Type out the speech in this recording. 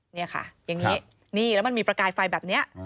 นี่ค่ะอย่างนี้นี่แล้วมันมีประกายไฟแบบนี้